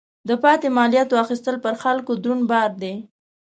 د پاتې مالیاتو اخیستل پر خلکو دروند بار دی.